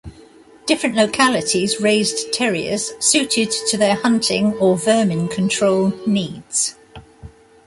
Different localities raised terriers suited to their hunting or vermin control needs.